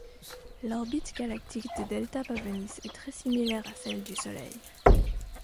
L'orbite galactique de Delta Pavonis est très similaire à celle du Soleil.